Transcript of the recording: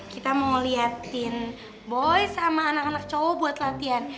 kita mau liatin boy sama anak anak cowok buat latihan